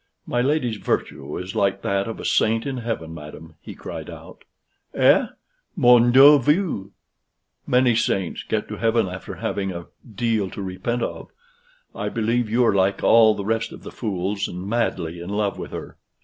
"My lady's virtue is like that of a saint in heaven, madam," he cried out. "Eh! mon neveu. Many saints get to heaven after having a deal to repent of. I believe you are like all the rest of the fools, and madly in love with her."